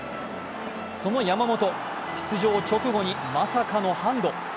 その山本、出場直後にまさかのハンド。